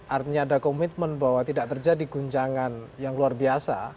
artinya ada komitmen bahwa tidak terjadi guncangan yang luar biasa